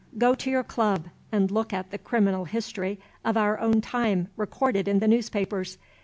Go to your club, and look at the criminal history of our own time, recorded in the newspapers.